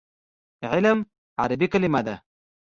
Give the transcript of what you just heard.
علم عربي کلمه ده.